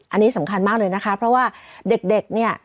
อันนี้สำคัญมากเลยนะคะเพราะว่าเด็กเนี่ย